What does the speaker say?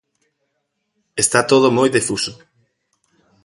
Está todo moi difuso.